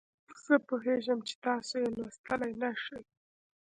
زه پوهیږم چې تاسې یې لوستلای نه شئ.